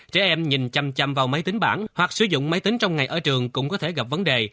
trẻ em nhìn chân chậm vào máy tính bản hoặc sử dụng máy tính trong ngày ở trường cũng có thể gặp vấn đề